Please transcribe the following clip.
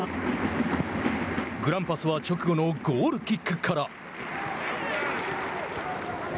グランパスは直後のゴールキックから。